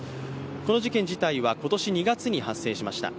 この事件自体は今年の２月に発生しました。